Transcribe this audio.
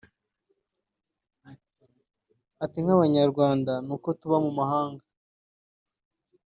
Ati "Nk’Abanyarwanda nubwo tuba mu mahanga